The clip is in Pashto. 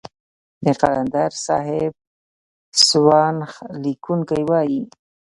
د قلندر صاحب سوانح ليکونکي وايي.